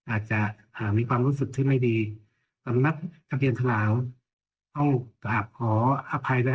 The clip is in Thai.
อาจจะหากมีความรู้สึกที่ไม่ดีสำนักทะเบียนสลาวต้องกราบขออภัยนะฮะ